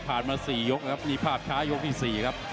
ผ่านมา๔ยกครับมีภาพช้ายกรุ่นที่๔ครับ